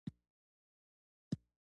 ددې برعکس، ددې ولایت هزاره میشتو سیمو